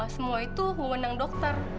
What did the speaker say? semua itu mengundang dokter